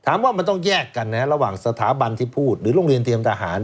ว่ามันต้องแยกกันนะระหว่างสถาบันที่พูดหรือโรงเรียนเตรียมทหาร